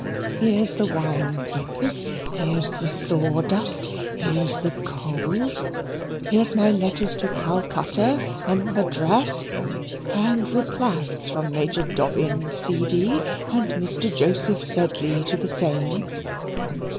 Here's the wine papers, here's the sawdust, here's the coals; here's my letters to Calcutta and Madras, and replies from Major Dobbin, C.B., and Mr. Joseph Sedley to the same.